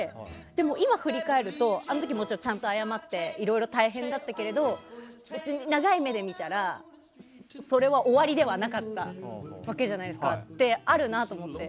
でも、今振り返るとあの時、もちろんちゃんと謝っていろいろ大変だったけど長い目で見たらそれは終わりではなかったってあるなと思って。